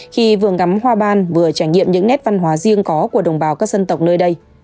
khi vừa ngắm hoa ban vừa trải nghiệm những nét văn hóa riêng có của đồng bào các dân tộc nơi đây